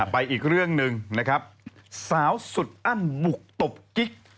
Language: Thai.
ไปอีกเรื่องหนึ่งสาวสุดอ้ำบุกตบกิ๊ก